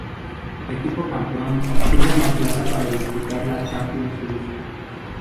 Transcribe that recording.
El equipo campeón obtuvo una plaza para disputar la Champions League.